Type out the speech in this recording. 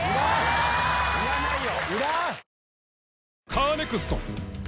いらないよ！